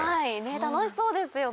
楽しそうですよね？